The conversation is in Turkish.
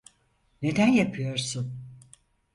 Neden yapıyorsun?